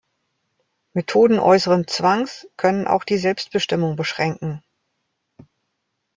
Methoden äußeren Zwangs können auch die Selbstbestimmung beschränken.